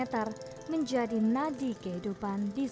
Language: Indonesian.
terima kasih russians